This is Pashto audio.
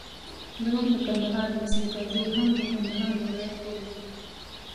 زموږ د کندهار نیسم کرزي هم د کندهار د ولایت خوب لیدلی.